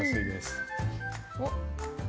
おっ。